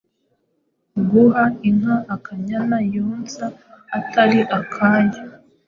Guha inka akanyana yonsa atari akayo